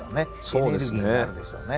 エネルギーになるでしょうね。